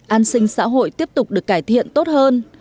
an sinh xã hội tiếp tục được cải thiện tốt hơn